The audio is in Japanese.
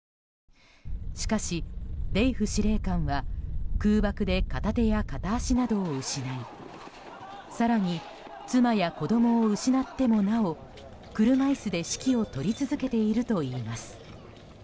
しかし、デイフ司令官は空爆で片手や片足などを失い更に、妻や子供を失ってもなお車椅子で指揮を執り続けているといいます。